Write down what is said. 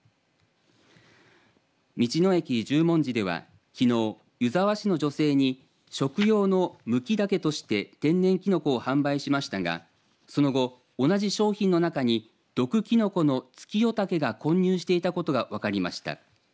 道の駅十文字ではきのう、湯沢市の女性に食用のムキダケとして天然きのこを販売しましたがその後同じ商品の中に毒きのこのツキヨタケが混入していたことが分かりました。